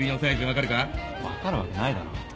分かるわけないだろ。